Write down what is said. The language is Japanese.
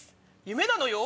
夢なのよ！